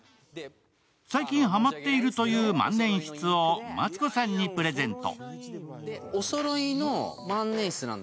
最近ハマっているという万年筆をマツコさんのプレゼント。